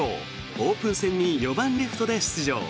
オープン戦に４番レフトで出場。